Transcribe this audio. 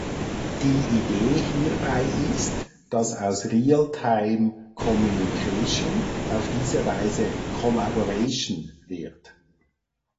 Die Idee hierbei ist, dass aus Real-Time "Communication" auf diese Weise "Collaboration" wird.